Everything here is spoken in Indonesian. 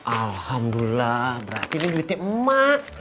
alhamdulillah berarti ini duitnya emak